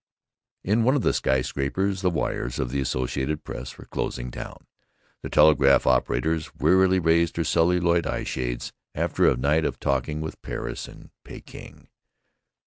In one of the skyscrapers the wires of the Associated Press were closing down. The telegraph operators wearily raised their celluloid eye shades after a night of talking with Paris and Peking.